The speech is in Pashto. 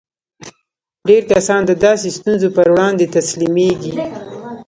ډېر کسان د داسې ستونزو پر وړاندې تسليمېږي.